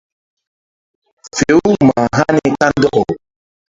Fe-u mah hani kandɔkaw.